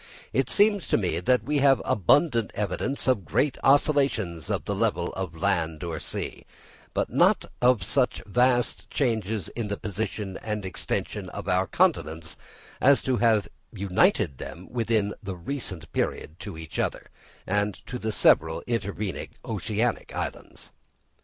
It seems to me that we have abundant evidence of great oscillations in the level of the land or sea; but not of such vast changes in the position and extension of our continents, as to have united them within the recent period to each other and to the several intervening oceanic islands.